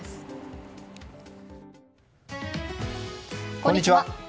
こんにちは。